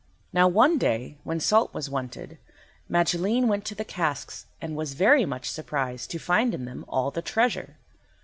Now one day when salt was wanted Magilene went to the casks and was very much surprised to find in them all the treasure.